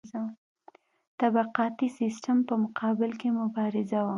طبقاتي سیستم په مقابل کې مبارزه وه.